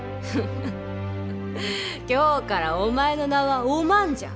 今日からお前の名はお万じゃ。